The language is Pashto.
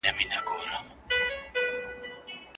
هغوی د غونډې پر مهال نوي پرېکړي کولې.